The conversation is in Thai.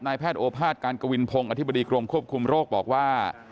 แพทย์โอภาษการกวินพงศ์อธิบดีกรมควบคุมโรคบอกว่า